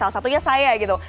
salah satunya saya gitu